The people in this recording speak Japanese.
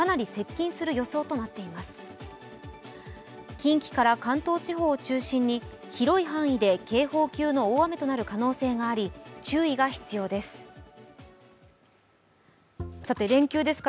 近畿から関東地方を中心に広い範囲で警報級の大雨となる可能性があり注意が必要です。